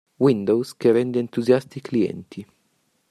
Windows che rende entusiasti i clienti.